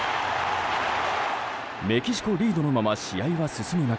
メキシコリードのまま試合は進む中